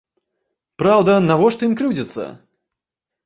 Праўда, навошта ім крыўдзіцца?